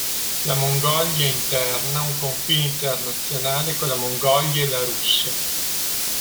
La Mongolia Interna ha un confine internazionale con la Mongolia e la Russia.